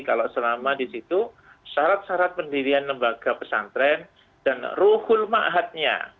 kalau selama di situ syarat syarat pendirian lembaga pesantren dan ruhul ⁇ maatnya